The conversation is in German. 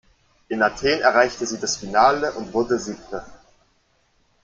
In Athen erreichte sie das Finale und wurde Siebte.